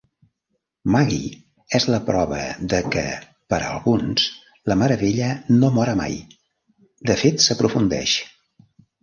Magee és la prova de que, per a alguns, la meravella no mora mai, de fet s'aprofundeix.